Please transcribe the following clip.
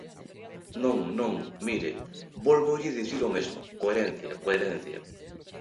Non, non, mire, vólvolle dicir o mesmo: coherencia, coherencia.